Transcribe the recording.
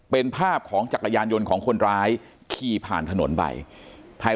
เป็นภาพของจักรยานยนต์ของคนร้ายขี่ผ่านถนนไปภาย